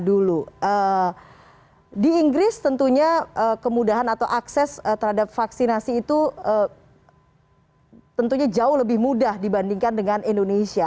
di inggris tentunya kemudahan atau akses terhadap vaksinasi itu tentunya jauh lebih mudah dibandingkan dengan indonesia